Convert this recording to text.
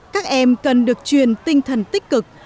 các em cần được truyền tinh thần tích cực